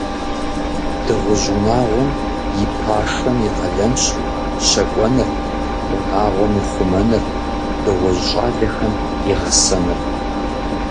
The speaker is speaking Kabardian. Дыгъужь унагъуэм и пашэм и къалэнщ щакӏуэныр, унагъуэм и хъумэныр, дыгъужь щӏалэхэм и гъэсэныр.